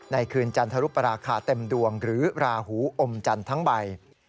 ในคืนจันทรุปราคาเต็มดวงหรือราหูอมจันทร์ทั้งใบ